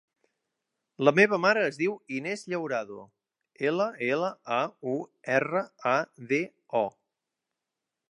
La meva mare es diu Inés Llaurado: ela, ela, a, u, erra, a, de, o.